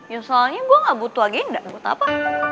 ya soalnya gue gak butuh agenda buat apa